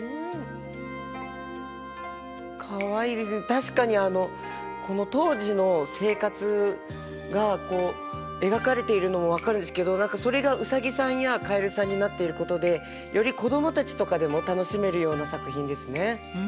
確かにこの当時の生活がこう描かれているのも分かるんですけど何かそれがウサギさんやカエルさんになっていることでより子供たちとかでも楽しめるような作品ですね。